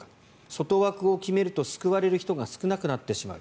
外枠を決めると救われる人が少なくなってしまう